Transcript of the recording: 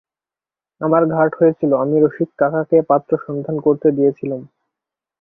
আমার ঘাট হয়েছিল আমি রসিককাকাকে পাত্র সন্ধান করতে দিয়েছিলুম।